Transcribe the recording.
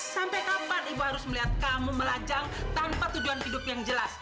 sampai kapan ibu harus melihat kamu melajang tanpa tujuan hidup yang jelas